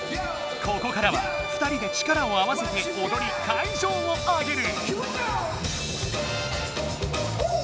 ここからは２人で力を合わせておどり会場をアゲる！